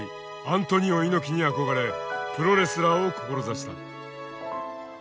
アントニオ猪木に憧れプロレスラーを志した。